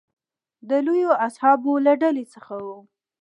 د لویو اصحابو له ډلې څخه و.